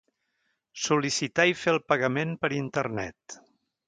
Sol·licitar i fer el pagament per internet.